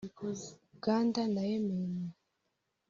Uganda na Yemen